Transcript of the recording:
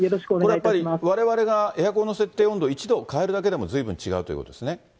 これやっぱり、われわれがエアコンの設定温度を１度変えるだけでもずいぶん違うということですね。